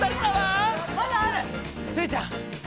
スイちゃん